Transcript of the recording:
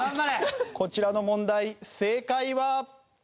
こちらの問題正解は。